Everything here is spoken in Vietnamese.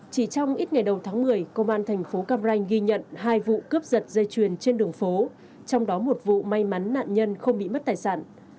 chỉ trong ít ngày đầu tháng một mươi công an thành phố cam ranh ghi nhận hai vụ cướp giật dây chuyền trên đường phố trong đó một vụ may mắn nạn nhân không bị mất tài sản